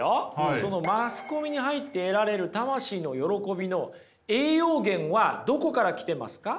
そのマスコミに入って得られる魂の喜びの栄養源はどこから来てますか？